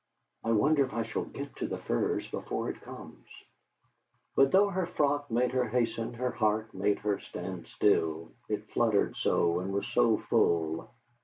'I wonder if I shall get to the Firs before it comes?' But though her frock made her hasten, her heart made her stand still, it fluttered so, and was so full.